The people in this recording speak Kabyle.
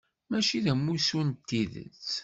Mačči d amussu n tidet.